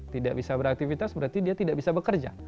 tidak bisa beraktivitas berarti dia tidak bisa bekerja